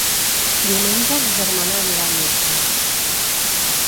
Diumenge ma germana anirà al metge.